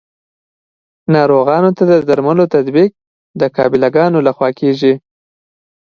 ناروغانو ته د درملو تطبیق د قابله ګانو لخوا کیږي.